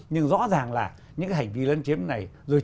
nhưng rõ ràng là